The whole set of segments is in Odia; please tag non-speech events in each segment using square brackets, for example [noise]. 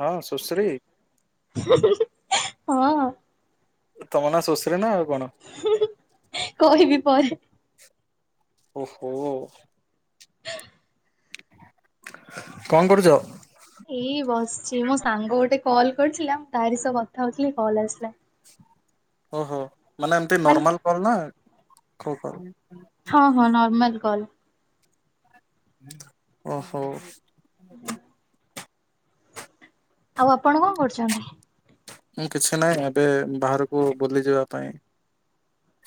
ହଁ ସୁଶ୍ରୀ ହଁ। ତମ ନାଁ ଶୁଶ୍ରୀ ନା ଆଉ କଣ? ହୁଁ ହୁଁ, କହବିି ପରେ। ଓ ହଉ ଆଉ। [inaudible] କଣ କରୁଚ? ଏଇ ବସିଚି, ମୋ ସାଙ୍ଗ ଗୋଟେ କଲ୍ କରିଥିଲା। ମୁଁ ତାରି ସହ କଥା ହଉଥିଲି କଲ୍ ଆସିଲା। ଓହୋ। ମାନେ ଏମତି ନର୍ମାଲ କଲ ନା, କୋଉ କଲ? ହଁ ହଁ ନର୍ମାଲ କଲ। ଓହୋ। [inaudible] ଆଉ ଆପଣ କଣ କରୁଛନ୍ତି? ମୁଁ କିଛି ନାହିଁ। ଏବେ ବାହାରକୁ ବୁଲି ଯିବା ପାଇଁ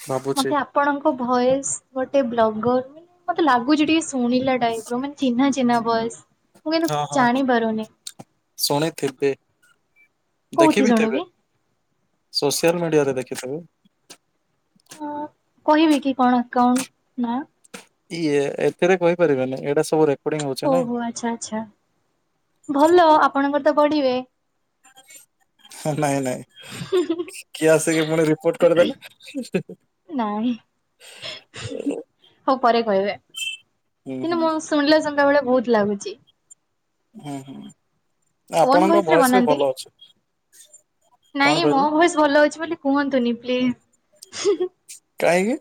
ଭାବୁଛି। ମତେ ଆପଣଙ୍କ ଭଏସ ଗୋଟେ ବ୍ଲଗର, ମତେ ଲାଗୁଛି ଟିକେ ଶୁଣିଲା ଟାଇପର ମାନେ ଚିହ୍ନା ଚିହ୍ନା ଭଏସ। ମୁଁ କିନ୍ତୁ ହଁ ହଁ ଜାଣି ପାରୁନି। ଶୁଣିଥିବେ, କୋଉଠି ଦେଖିବିଥିବେ। ଶୁଣିବି? ସୋସିଆଲ ମିଡିଆରେ ଦେଖିଥେବେ। କହିବି କି କଣ ଆକାଉଣ୍ଟ ନା? ଇଏ ଏଥିରେ କହିପାରିବେନି ଏଇଟା ସବୁ ରେ ଓହୋ ଆଚ୍ଛା ଆଚ୍ଛା ଭଲ ଆପଣଙ୍କର ତ ବଢିବେ। ହ ନାଇଁ ନାଇଁ। କିଏ ଆସିକି ପୁଣି ରିପୋର୍ଟ କରିଦେଲେ। ନାଇଁ ହଉ ପରେ କହିବେ ହୁଁ ହୁଁ କିନ୍ତୁ ମୁଁ ଶୁଣିଲା ଶୁଣିଲା ଭଳିଆ ବହୁତ ଲାଗୁଛି। ହୁଁ ହୁଁ ଓନ୍ ଆପଣଙ୍କ ଭଏସ ରେ ଭୟସ ବି ବନାନ୍ତି କି? ଭଲ ଅଛି, ନାଇଁ କଣ ମୋ କହିଲେ? ଭଏସ ଭଲ ଅଛି ବୋଲି କୁହନ୍ତୁନି ପ୍ଲିଜ, କାହିଁକି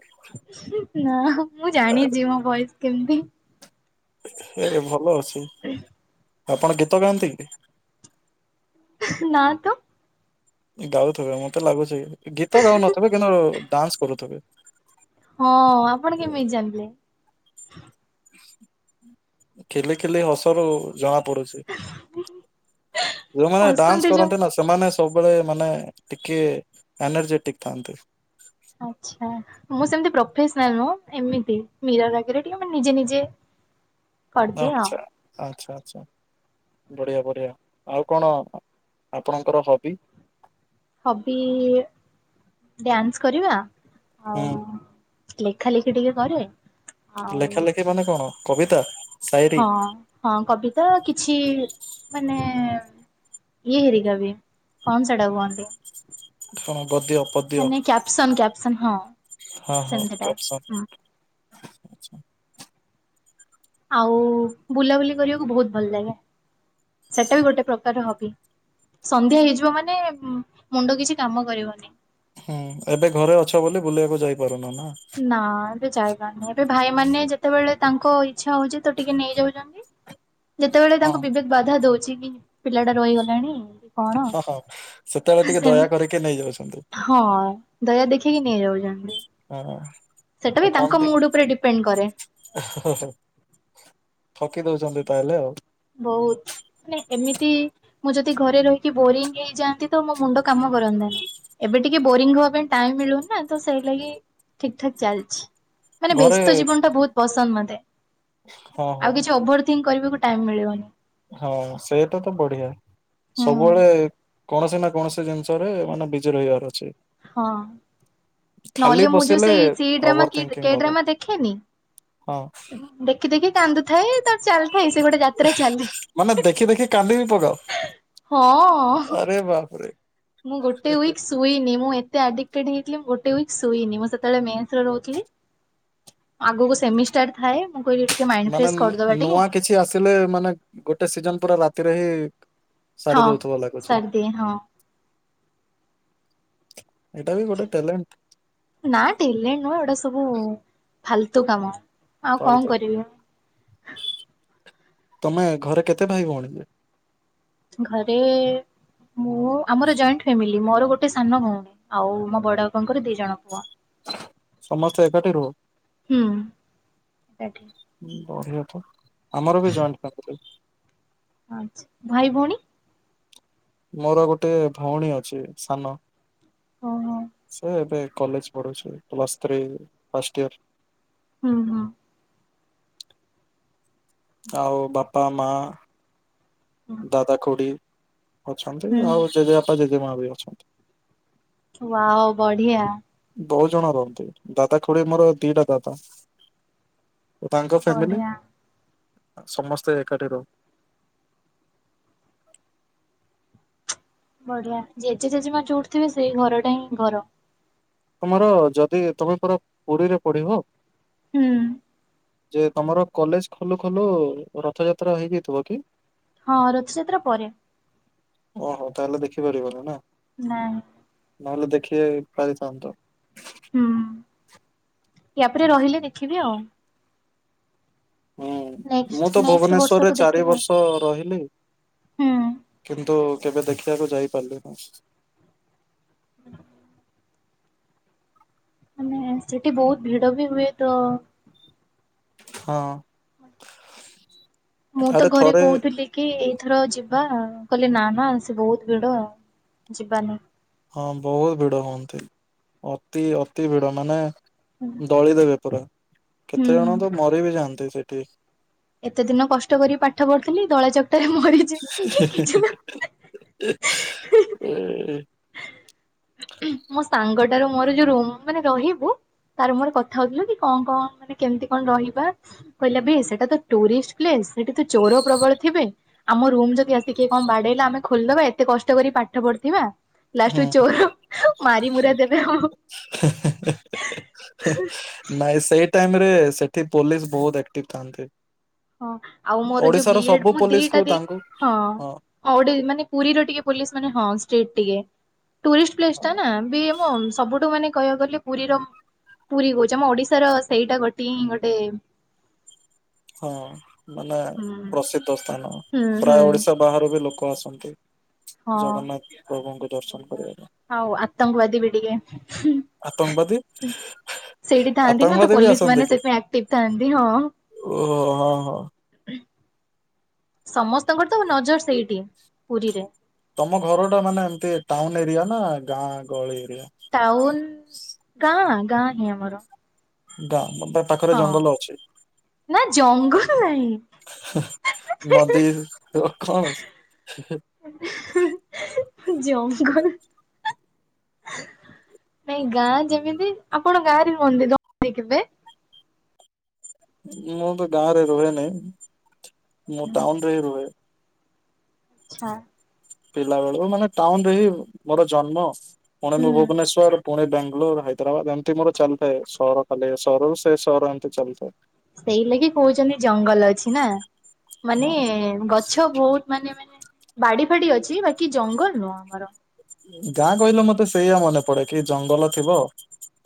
ନା ମୁଁ ଜାଣିଛି ମୋ ଭୟସ କେମତି। ହେରେ ଭଲ ଅଛି, ଆପଣ ଗୀତ ଗାଆନ୍ତି କି? ନା ତ। ଗାଉଥିବେ ମତେ ଲାଗୁଛି ଗୀତ ଗାଉନଥିବେ କିନ୍ତୁ ଡାନ୍ସ କରୁଥିବେ। ହଁ ଆପଣ କେମିତି ଜାଣିଲେ? ଖିଲି ଖିଲି ହସରୁ ଜଣା ପଡୁଛି ଯଉମାନେ ଡାନ୍ସ ହସନ୍ତି ଯୋଉ କରନ୍ତି ନା ସେମାନେ ସବୁବେଳେ ମାନେ ଟିକେ ଏନର୍ଜେଟିକ ଥାଆନ୍ତି। ଆଚ୍ଛା। ମୁଁ ସେମିତି ପ୍ରଫେସନାଲ ନୁହଁ ଏମିତି ମିରର ଆଗିରେ ଟିକେ ମୁ ନିଜେ ନିଜେ ଭା କରିଦିଏ ଆଉ ଆଚ୍ଛା। ଆଚ୍ଛା ଆଚ୍ଛା ବଢ଼ିଆ ବଢ଼ିଆ, ଆଉ କଣ ଆପଣଙ୍କର ହବି? ହବି ଡ୍ୟାନ୍ସ କରିବା ଆଉ ହୁଁ ଲେଖା ଲେଖି ଟିକେ କରେ। ଆଉ ଲେଖା ଲେଖି ମାନେ କଣ କବିତା? ସାଇରୀ ହଁ ହଁ କବିତା କିଛି ମାନେ ଇଏ ହେରିକା ବି କଣ ସେଇଟାକୁ କୁହନ୍ତି? କଣ ଗଦ୍ୟ ପଦ୍ୟ ମାନେ କ୍ୟାପସନ କ୍ୟାପସନ ହଁ ସେମିତିଟା। ସ ହୁଁ ଆଉ ବୁଲାବୁଲି କରିବାକୁ ବହୁତ ଭଲ ଲାଗେ। ସେଟା ବି ଗୋଟେ ପ୍ରକାର ହବି। ସନ୍ଧ୍ୟା ହେଇଯିବ ମାନେ ମୁଣ୍ଡ କିଛି କାମ କରିବନି। ହୁଁ ଏବେ ଘରେ ଅଛ ବୋଲି ବୁଲିବାକୁ ଯାଇପାରୁନ ନା। ନା ଏବେ ଯାଇପାରୁନି ଏବେ ଭାଇ ମାନେ ଯେତେବେଳେ ତାଙ୍କ ଇଚ୍ଛା ହଉଛି ତ ଟିକେ ନେଇଯାଉଛ ହ ଯେତେବେଳେ ତାଙ୍କୁ ବିବେକ ବାଧା ଦଉଛି କି ପିଲା ଟା ରହିଗଲାଣି କଣ ହଁ ହଁ ସେତେବେଳେ ଟିକେ ସେମ ଦୟା କରିକି ନେଇଯାଉଛନ୍ତି। ହଁ ଦୟା ଦେଖେଇକି ନେଇଯାଉଛନ୍ତି। ହଁ। ସେଇଟା ବି କଣ ତାଙ୍କ ମୁଡ ଉପରେ ଡିପେଣ୍ଡ କରେ। ଠକି ଦଉଛନ୍ତି ତାହେଲେ ଆଉ। ବହୁତ। ମାନେ ଏମିତି ମୁଁ ଯଦି ଘରେ ରହିକି ବୋରିଙ୍ଗ ହେଇଯାଆନ୍ତି ତ ମୋ ମୁଣ୍ଡ କାମ କରନ୍ତା ନି। ଏବେ ଟିକେ ବୋରିଙ୍ଗ ହବା ପାଇଁ ଟାଇମ ମିଳୁନି ନା ତ ସେଇ ଲାଗି ଠିକଠାକ ଚାଲିଛି। ମାନେ ଘରେ ବ୍ୟସ୍ତ ଜୀବନ ଟା ବହୁତ ପସନ୍ଦ ମତେ ହଁ ହଁ ଆଉ କିଛି ଓଭର ଥିଙ୍କ କରିବାକୁ ଟାଇ ମିଳିବନି। ହଁ ସେଇଟା ତ ବଢିଆ ହୁଁ। ସବୁବେଳେ କୌଣସି ନା କୌଣସି ଜିନିଷରେ ମାନେ ବିଜି ରହିବାର ଅଛି। ହଁ। ଖାଲି ନହେଲେ ମୁଁ ଯୋଉ ବସିଲେ ସେଇ ସି ଡ୍ରାମା ଓଭର ଥିଙ୍କିଙ୍ଗ ହବ ଡ୍ରାମା ଦେଖେନି ହଁ ଦେଖି ଦେଖି କାନ୍ଦୁଥାଏ ତା ଚାଲିଥାଏ ସେ ଗୋଟେ ଯାତ୍ରା ଚାଲେ। ମାନେ ଦେଖି ଦେଖି କାନ୍ଦି ବି ପକାଅ ହଁ ଆରେ ବାପରେ ମୁଁ ଗୋଟେ ଉଇକ ଶୋଇନି ମୁଁ ଏତେ ଆଡିକଟେଡ଼ ହେଇଥିଲି ଗୋଟେ ୱିକ୍ ମୁଁ ସୋଇନି ମାନସ ରହୁଥିଲି। ଆଗକୁ ସେମିଷ୍ଟାର ଥାଏ ମୁଁ କହିଲି ଟିକେ ମାଇଣ୍ଡ ମାନେ ଫ୍ରେଶ କରିଦବା ଟିକେ ନୂଆ କିଛି ଆସିଲେ ମାନେ ଗୋଟେ ସିଜନ ପୁର ରାତିରେ ହିଁ। ସାରି ହଁ। ଦଉଥିବ ଲାଗୁଛି। ସାରିଦିଏ ହଁ ଏଟା ବି ଗୋଟେ ଟ୍ୟାଲେଣ୍ଟ। ନା ଡିଲେ ନୁହଁ ଏଇଟା ସବୁ ଫାଲତୁ କାମ। ଆଉ କଣ କରିବି ତମେ ଘରେ କେତେ ଭାଇ ଭଉଣୀ ଘରେ ମୁଁ ଆମର ଜଏଣ୍ଟ ଫାମିଲି ମୋର ଗୋଟେ ସାନ ଭଉଣୀ। ଆଉ ମୋ ବଡ ବାପଙ୍କର ଦି ଜଣ ପୁଅ। ସମସ୍ତେ ଏକାଠି ରୁହ। ହୁଁ ଏକାଠି ବଢିଆ ତ ଆମର ବି ଜଏଣ୍ଟ ଫାମିଲି। ଆଚ୍ଛା ଭାଇ ଭଉଣୀ? ମୋର ଗୋଟେ ଭଉଣୀ ଅଛି ସାନ ଓହୋ ସେ ଏବେ କଲେଜ ପଢୁଛି ପ୍ଲସ୍ ଥ୍ରୀ ଫାଷ୍ଟଇର। ହୁଁ ହୁଁ। ଆଉ ବାପା ମା ଦାଦା ଖୁଡ଼ି ଅଛନ୍ତି ହୁଁ ଆଉ ଜେଜେ ବାପା ଜେଜେ ମା ବି ଅଛନ୍ତି। ହଁ ବଢିଆ। ବହୁତ ଜଣ ରହନ୍ତି ଦାଦା ଖୁଡି ମୋର ଦିଟା ଦାଦା। ତାଙ୍କ ଫାମିଲି ବଢିଆ ସମସ୍ତେ ଏକାଠି ରହୁ ହ ବଢିଆ ଜେଜେ ଜେଜେମା ଯୋଉଠିଥିବେ ସେଇ ଘରଟା ହିଁ ଘର। ତୁମର ଯଦି ତମେ ପରା ପୁରୀରେ ପଢିବ। ହୁଁ। ଯେ ତମର କଲେଜ ଖୋଲୁ ଖୋଲୁ ରଥଯାତ୍ରା ହେଇଯାଇଥିବ କି? ହଁ ରଥଯାତ୍ରା ପରେ। ଓହୋ ତାହେଲେ ଦେଖିପାରିବନି ନା। ନା ହଁ ନହେଲେ ଦେଖିବ ପରିଥାନ୍ତ। ହୁଁ ୟା ପରେ ରହିଲେ ଦେଖିବି ଆଉ। ହୁଁ ନେକ୍ସଟ ମୁଁ ତ ନେକ୍ସଟ ଭୁବନେଶ୍ଵରରେ ବର୍ଷକୁ ଚାରି ଦେଖିବା। ବର୍ଷ ରହିଲି। କିନ୍ତୁ କେବେ ଦେଖିବାକୁ ଯାଇ ପାରିଲ ନା ହ ମାନେ ସେଠି ବହୁତ ଭିଡ ବି ହୁଏ ତ ହଁ। ମୁଁ ତ ଆରେ ଘରେ ଥରେ କହୁଥିଲି। କି ଏଇଥର ଯିବା କହିଲେ ନା ନା ସେ ବହୁତ ଭିଡ ଯିବାନି। ହଁ ବହୁତ ଭିଡ ହୁଅନ୍ତି ଅତି ଅତି ଭିଡ ମାନେ ଦଳିଦେବେ ପୁରା କେତେ ହୁଁ ଜଣ ତ ମରି ବିି ଯାଆନ୍ତି ସେଠି ଏତେ ଦିନ କଷ୍ଟ କରି ପାଠ ପଢୁଥିଲି ଦଳା ଚକଟାରେ ମରି ହୁଁ। ମୋ ସାଙ୍ଗଟାରୁ ମୋର ଯୋଉ ରୁମ ମାନେ ରହିବୁ। ତାର ମୋର କଥା ହଉଥିଲୁ କି କଣ କଣ ମାନେ କେମିତି କଣ ରହିବା। କହିଲା ଭ ସେଟା ତ ଟୁରିଷ୍ଟ ପ୍ଲେସ ସେଠି ତ ଚୋର ପ୍ରବଳ ଥିବେ ଆମ ରୁମ ଯଦି ଆସିକିଏ କଣ ବାଡେଇଲା ଆମେ ଖୋଲିଦବା ଏତେ କଷ୍ଟକରି ପାଠ ପଢୁଥିବା। ଲାଷ୍ଟୁ ହୁଁ ଚୋର ମାର ମୁୁରା ଦେବେ ଆଉ। [inaudible] ନାଇଁ ସେଇ ଟାଇମ ରେ ସେଠି ପୋଲିସ ବହୁତଆକ୍ଟିଭ ଥାନ୍ତି। ହଁ ଆଉ ମୋର ଯୋଉ ବି ଓଡିଶାର ସବୁ ମୁଁ ପୋଲିସ ଦିଟା କୁ ଦ ତାଙ୍କୁ ହଁ ହଉ ମାନେ ପୁରୀର ଟିକେ ପୋଲି ମେ ହ ଟିକେ ଟୁଷ୍ଟ ପ୍ସ ଟା ନା ହଁ ସବୁଠୁ ମାନେ କହିବାକୁ ଗଲେ ପୁରୀର ପୁରୀ କହୁଛି ଆମ ଓଡିଶାର ସେଇଟା ଗୋଟିଏ ଗୋଟେ ହଁ ମାନେ ହୁଁ ପ୍ରସିଦ୍ଧ ସ୍ଥାନ ହୁଁ ହୁଁ ପ୍ରାୟ ଓଡିଶା ବାହାରୁ ବି ଲୋକ ଆସନ୍ତି। ଜଗନ୍ନାଥ ପ୍ରଭୁଙ୍କୁ ଦର୍ଶନ କରିବା ପାଇଁ। ହଉ ଆତଙ୍ଗ ଵାଦି ବି ଟିକେ ଆତଙ୍କବାଦୀ ସେଇଠି ଥାନ୍ତି ନା ତ ଆତଙ୍କବାଦୀ ବି ପୋଲିସ ମାନେ ସେପାଇ ଆକ୍ଟିଭ ଥାନ୍ତି ହଁ। ଓହ ହ [unintelligible] ସମସ୍ତଙ୍କର ତ ନଜର ସେଇଠି ପୁରୀରେ। ତମ ଘର ଟା ମାନେ ଏମତି ଟାଉନ ଏରିଆ ନା ଗାଁ ଗହଳି ଏରିଆ? ଟାଉନ ଗାଁ ଗାଁ ହିଁ ଆମର। ଗାଁ ଗୋଟେ ପାଖରେ ହଁ ଜଙ୍ଗଲ ଅଛି। ନା ଜଙ୍ଗଲ ନାହିଁ। ନଦୀ ରଖ। ଯଙ୍ଗଲ। ନାଇଁ ଗାଁ ଯେମିତି ଆପଣ ଗାଁରେ ରୁହନ୍ତି ତ କେବେ କେବେ? ମୁଁ ତ ଗାଁ ରେ ରୁହେନିଁ ମୁଁ ଟାଉନ ରେ ହିଁ ରୁହେ। [inaudible] ପିଲା ବେଳକୁ ମାନେ ଟାଉନ ରେ ହିଁ ମୋର ଜନ୍ମ ପୁଣି ମୁଁ ହୁଁ ଭୁବନେଶ୍ଵର ପୁଣି ବାଙ୍ଗାଲୋର ହାଇଦ୍ରାବାଦ ଏମିତି ମୋର ଚାଲିଥାଏ ସହର ଖାଲି ସହରରୁ ସେ ସହର ଏମିତି ଚାଲିଥାଏ। ସେଇ ଲାଗି କହୁଛନ୍ତି ଜଙ୍ଗଲ ଅଛି ନା ମାନେ ହଁ ଗଛ ମିଛ ବହୁତ ମାନେ ମାନେ ବାଡି ଫାଡି ଅଛି ବାକି ଜଙ୍ଗଲ ନୁହଁ ଆମର। ଗାଁ କହିଲେ ମତେ ସେଇଆ ମନେ ପଡେ କି ଜଙ୍ଗଲ ଥିବ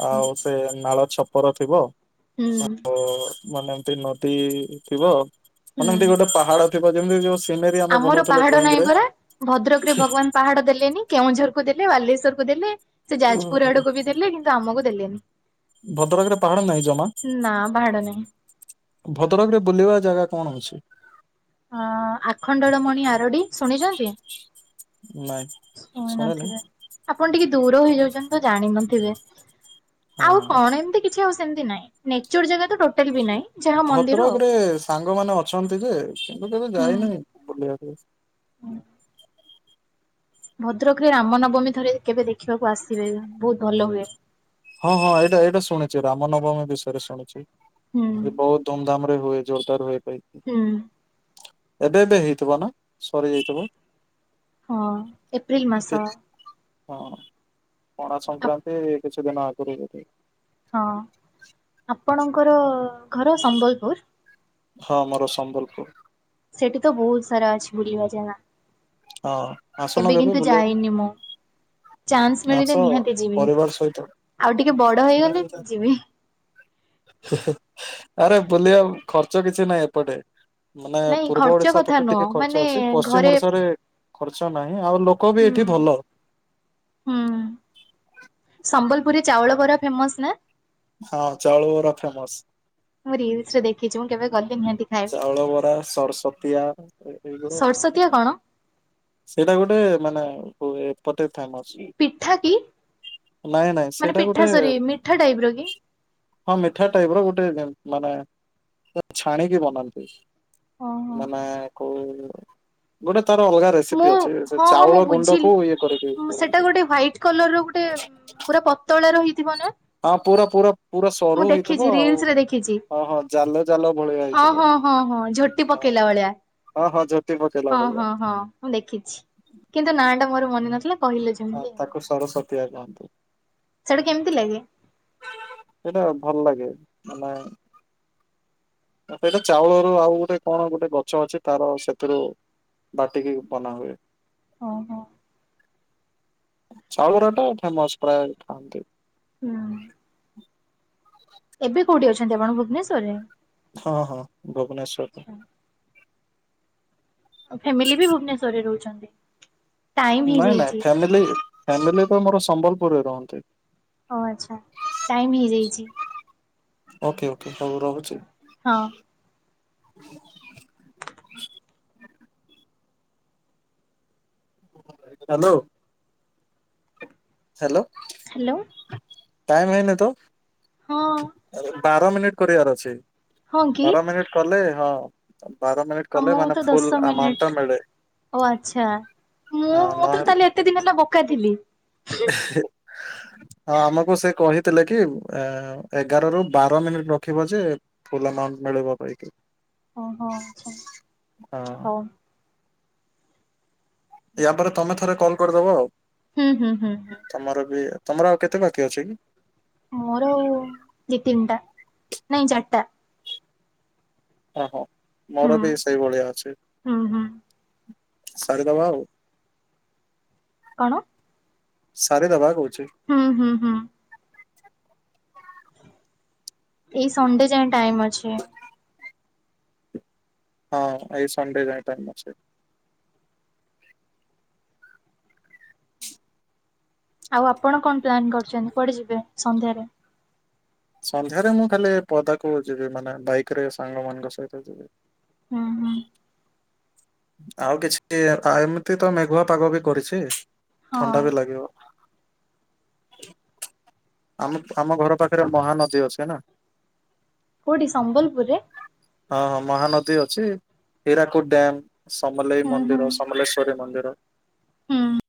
ଆଉ ସେ ନାଳ ଛପ ଉପର ଥିବ ହୁଁ ଆଉ ମାନେ ଏମତି ନଦୀ ଥିବ ହୁଁ ମାନେମିତି ଗୋଟେ ପାହାଡ ଥିବ ଯେମିତି ଯୋଉ ସିନେରୀ ଆମେ ଆମର ବନଉଥିଲେ ପାହାଡ ଡ୍ରଇଂ ନାହିଁ ରେ ପରା ଭଦ୍ରକରେ ଭଗବାନ ପାହାଡ ଦେଲେନି କେଉଁଝର କ ଦେଲେ ବାଲେଶ୍ୱର କୁ ଦେଲେ ସେ ଯାଜପୁର ଆଡକୁ ବି ଦେଲେ କିନ୍ତୁ ଆମକୁ ଦେଲେନି। ଭଦ୍ରକରେ ପାହାଡ ନାହିଁ ଜମା? ନା ପାହାଡ ନାହିଁ ଭଦ୍ରକ ରେ ବୁଲିବା ଜାଗା କଣ ଅଛି? ଅ ଆଖଣ୍ଡଳମଣି ଆରଡି ଶୁଣିଛନ୍ତି? ନାଇଁ ଶୁଣି ଶୁଣିନି। ନଥିବେ ଆପଣ ଟିକେ ଦୂର ହେଇଯାଉଛନ୍ତି ତ ଜାଣିନଥିବେ ହଁ ଆଉ କଣ ଏମିତି କି ଆଉ ସେମତି ନାହିଁ ନେଚର ଜାଗା ତ ଟୋଟାଲ ବି ନାହିଁ ଯାହା ମନ୍ଦିର ଆଉ ଭଦ୍ରକ ରେ ସାଙ୍ଗମାନେ ଅଛନ୍ତି ଯେ ସେତ କେବେ ଯାଇନଁ ବୁଲିବାକୁ। ହୁଁ। ଭଦ୍ରକରେ ରାମ ନବମୀ ଧରେ କେବେ ଦେଖିବାକୁ ଆସିବେ ବହୁତ ଭଲ ହୁଏ। ହଁ ହଁ ଏଇଟା ଏଇଟା ଶୁଣିଛି। ରାମନବମୀ ବିଷୟରେ ଶୁଣିଛି। ହୁଁ ବହୁତ ଧୁମଧାମରେ ହୁଏ ଜୋରଦାର ହୁଏ ପାଇଁ ହୁଁ। ଏବେ ଏବେ ହେଇଥିବ ନା? ସରିଯାଇଥିବ? ହଁ, ଏପ୍ରିଲ ମାସ। ହଁ ପଣା ସଂକ୍ରାନ୍ତି କିଛି ଦିନ ଆଗରୁ ଯଦି। ହଁ, ଆପଣଙ୍କର ଘର ସମ୍ବଲପୁର? ହଁ ମୋର ସମ୍ବଲପୁର। ସେଠି ତ ବହୁତ ସାରା ଅଛି ବୁଡିବା ଯାଗା। ହଁ ଆସୁନ କେବେ କିନ୍ତୁ ବୁଲିବାକୁ ଯାଇନି ମୁଁ। ଚାନ୍ସ ଆସ ମିଳିଲେ ନିହାତି ଯିବି। ପରିବାର ସହିତ। ଆଉ ଟିକେ ବଡ ହେଇଗଲେ ଯିବି। ହୁଁ ହୁଁ, ଆରେ ବୁଲିବା ଖର୍ଚ୍ଚ କିଛି ନାହିଁ ଏପଟେ। ମାନେ ନାଇଁ ପୂର୍ବ ଖର୍ଚ୍ଚ ଓଡିଶା କଥା ପଟେ ନୁହଁ ଟିକେ ଖର୍ଚ୍ଚ ମାନେ ଅଛି। ପଶ୍ଚିମ ଘରେ ଓଡିଶାରେ ଖର୍ଚ୍ଚ ନାହିଁ ଆଉ ଲୋକ ବି ହୁଁ ଏଠି ଭଲ। ହୁଁ। ସମ୍ବଲପୁର ଚାଉଳ ବରା ଫେମସ ନା? ହଁ ଚାଉଳ ବରା ଫେମସ। ମୁଁ ରିଲସ ରେ ଦେଖିଛି। ମୁଁ କେବେ ଗଲି ନିହାତି ଖାଇବି। ଚାଉଳ ବରା, ସଡସ୍ଵତୀଆ ସରସତିଆ ଏଇଗୋର୍ଷ କଣ ସେଇଟା ଗୋଟେ ମାନେ ଏପଟେ ଫେମସ। ପିଠା କି? ନାଇଁ ନାଇଁ, ମାନେ ସେଇଟା ପିଠା ଗୋଟେ ସରି ମିଠା ଟାଇପ ର କି? ହଁ ମିଠା ଟାଇପ ର ଗୋଟେ ମାନେ ଛାଣିକି ବନ ଓହୋ ମାନେ କଉ ଗୋଟେ ତାର ଅଲଗା ରେସିପି ମୁଁ ଅଛି ସେ ହଁ ହଁ ଚାଉଳ ମୁଁ ବୁଝିଲି। ଗୁଣ୍ଡକୁ ଇଏ ଉଁ କରିକି ସେଟା ଗୋଟେ ହ୍ୟାଇଟ କଲର ର ଗୋଟେ ପତ ତଳେ ରହିଥିବ ନା? ହଁ ପୁରା ପୁର ପୁରା ମୁଁ ସରୁ ଦେଖିଛି ହେଇଥିବ ଆଉ ରିଲସ ରେ ଦେଖିଛି। ହ ହଁ ଜାଲ ଜାଲ ଭଳିଆ ହଁ ହେଇଥିବ। ହଁ ହଁ ହଁ ଝୋଟି ହଁ ପକେଇଲା ଭଳିଆ। ହଁ ହଁ ଝୋଟି ପକେଇଲା ହଁ ହଁ ଭଳିଆ। ହଁ ମୁଁ ଦେଖିଛି, କିନ୍ତୁ ନା ଟା ମୋର ମନେ ନଥିଲା। କହିଲେ ଯେମିତି, ତାକୁ ସରସତିଆ କହନ୍ତି। ସେଟା କେମିତି ଲାଗେ? ସେଟା ଭଲ ଲାଗେ ନାଇ। ସେଇଟା ଚାଉଳରୁ ଆଉ ଗୋଟେ କଣ ଗୋଟେ ଗଛ ଅଛି। ତାର ସେଥିରୁ ବାଟିକି ବନା ହୁଏ। ହିଁ ହିଁ। ଚାଉଳ ବରା ଟା ଫେମସ ପ୍ରାୟ ଖାଆନ୍ତି। ହୁଁ। ଏବେ କୋଉଠି ଅଛନ୍ତି ଆପଣ ଭୁବନେଶ୍ୱର ରେ? ହଁ ହଁ, ଭୁବନେଶ୍ଵରରେ। ଫ୍ୟାମିଲି ବି ଭୁବନେଶ୍ୱରରେ ରହୁଛନ୍ତି? ଟାଇମ ନାଇଁ ନାଇଁ ହେଇଯାଇଛି ଫ୍ୟାମିଲି ଫ୍ୟାମିଲି ତ ମୋର ସମ୍ବଲପୁରରେ ରୁହନ୍ତି। ଓ ଆଛା ଟାଇମ ହେଇଯାଇଛି। ଓକେ ଓକେ ରହୁଛି। ହଁ ହ୍ୟାଲୋ। ହାଲୋ ହ୍ୟାଲୋ ଟାଇମ ହେଇନି ତ? ହଁ ବାର ମିନିଟ କରିବାର ଅଛି, ହଁ କି ବାର ମିନିଟ କଲେ ହଁ। ବାର ମିନିଟ କଲେ ଆମକୁ ମାନେ ତ ଦଶ ଫୁଲ ଆମାଉଣ୍ଟ ମିନିଟ ଟା ମିଳେ, ଓ ଆଚ୍ଛା। ମୁଁ ହିଁ। ମୁଁ ତ ତାହେଲେ ଏତେ ଦିନ ହେଲା ବୋକା ଥିଲି। ଏ ହେ ହଁ ଆମକୁ ସେ କହିଥିଲେ କି, ଏଗାର ରୁ ବାର ମିନିଟ୍ ରଖିବ ଯେ ଫୁଲ୍ ଆମାଉଣ୍ଟ ମିଳିବ ବାକି। ଓହୋ ଆଚ୍ଛା ହଁ ହଉ। ୟା ପରେ ତମେ ଥରେ କଲ୍ କରିଦବ ଆଉ। ହୁଁ, ହୁଁ, ହୁଁ, ହୁଁ। ତମର ବି ତମର ଆଉ କେତେ ପାଖି ଅଛି? ମୋର ଆଉ ଦି, ତିନିଟା ନାଇଁ ଚାରିଟା ଓହୋ ହୁଁ ମୋର ବି ସେଇଭଳିଆ ଅଛି। ହୁଁ ହୁଁ। ସାରି ଦବା ଆଉ। କଣ? ସାରି ଦବା କହୁଛି। ହୁଁ, ହୁଁ, ହଁ। ଏଇ ସଣ୍ଡେ ଯାଏ ଟାଇମ୍ ଅଛି। ହଁ, ଏଇ ସଣ୍ଡେ ଯାଏ ଟାଇମ୍ ଅଛି। ଆଉ ଆପଣ କଣ ପ୍ଲାନ୍ କରିୁଛନ୍ତି କୁଆଡେ ଯିବେ ସନ୍ଧ୍ୟାରେ। ସନ୍ଧ୍ୟାରେ ମୁଁ ଖାଲି ପଦାକୁ ଯିବି ମାନେ ବାଇକ ରେ ସାଙ୍ଗମାନଙ୍କ ସହିତ ଯିବି। ହୁଁ, ହୁଁ। ଆଉ କିଛି ଦ ଏମିତି ତ ମେଘୁଆ ପାଗ ବି କରିଛି ହଁ ଥଣ୍ଡା ବି ଲାଗିବ [unintelligible] ଆମ ଆମ ଘର ପାଖରେ ମହାନଦୀ ଅଛି ନା କେଉଠି ସମ୍ବଲପୁରେ? ହଁ, ହଁ ମହାନଦୀ ଅଛି ହୀରାକୁଦ୍ ଡ୍ୟାମ୍ ସମଲେଇ ହୁଁ ହୁଁ ମନ୍ଦିର ସମଲେଶ୍ୱରୀ ମନ୍ଦିର। ହୁଁ।